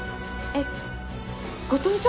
えっ！？